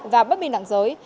và bất biên đẳng giới